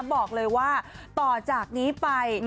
บอกเลยว่าต่อจากนี้ไป